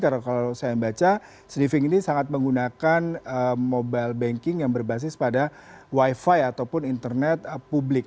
karena kalau saya baca sniffing ini sangat menggunakan mobile banking yang berbasis pada wifi ataupun internet publik